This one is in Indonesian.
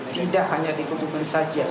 tidak hanya di bukit bukit saja